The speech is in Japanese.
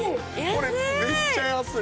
これめっちゃ安い！